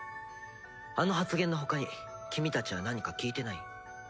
あの発言の他に君たちは何か聞いてない？